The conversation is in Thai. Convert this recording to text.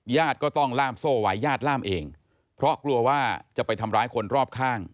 ญาติก็ต้องล่ามโซ่ไว้ญาติล่ามเองเพราะกลัวว่าจะไปทำร้ายคนรอบข้าง